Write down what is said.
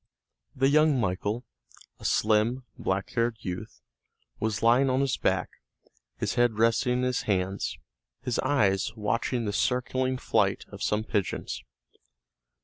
The young Michael, a slim, black haired youth, was lying on his back, his head resting in his hands, his eyes watching the circling flight of some pigeons.